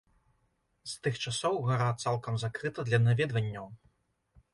З тых часоў гара цалкам закрыта для наведванняў.